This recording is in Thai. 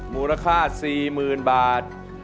มูลค่า๔๐๐๐บาท